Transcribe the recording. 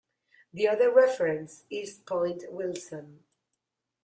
The other reference is Point Wilson.